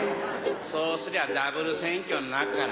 そうすりゃダブル選挙になるから。